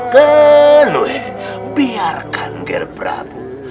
kenwe biarkan ger brabu